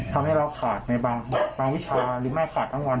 ทำให้เราขาดในบางวิชาหรือไม่ขาดทั้งวัน